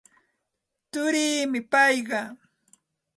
Turiimi payqa.